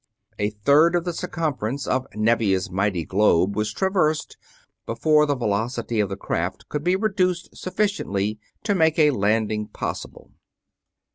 A third of the circumference of Nevia's mighty globe was traversed before the velocity of the craft could be reduced sufficiently to make a landing possible.